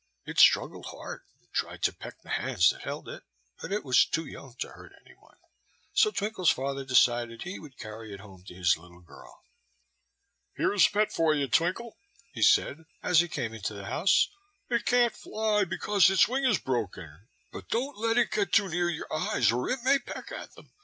It struggled hard, and tried to peck the hands that held it; but it was too young to hurt any one, so Twinkle's father decided he would carry it home to his little girl. "Here's a pet for you, Twinkle," he said, as he came into the house. "It can't fly, because its wing is broken; but don't let it get too near your eyes, or it may peck at them.